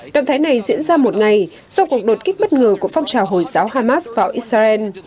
động thái này diễn ra một ngày sau cuộc đột kích bất ngờ của phong trào hồi giáo hamas vào israel